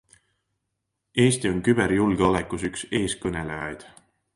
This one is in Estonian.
Eesti on küberjulgeolekus üks eeskõnelejaid.